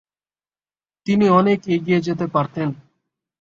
তিনি অনেক এগিয়ে যেতে পারতেন।